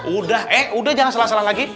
udah eh udah jangan salah salah lagi